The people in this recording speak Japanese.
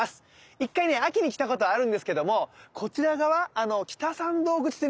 １回ね秋に来たことあるんですけどもこちら側北参道口というのは初めてです。